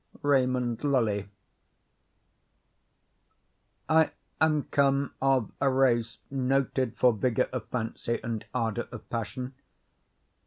—Raymond Lully. I am come of a race noted for vigor of fancy and ardor of passion.